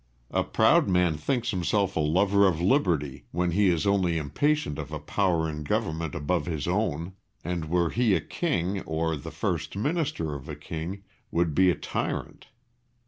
A proud man thinks himself a lover of liberty when he is only impatient of a power in government above his own, and were he a king, or the first Minister of a king, would be a tyrant.